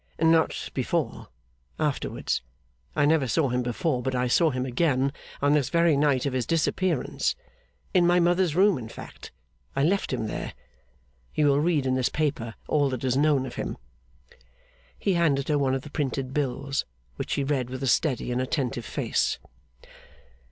'Not before; afterwards. I never saw him before, but I saw him again on this very night of his disappearance. In my mother's room, in fact. I left him there. You will read in this paper all that is known of him.' He handed her one of the printed bills, which she read with a steady and attentive face.